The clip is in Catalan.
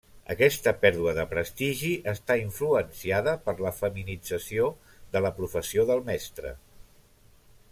Aquesta pèrdua de prestigi està influenciada per la feminització de la professió del mestre.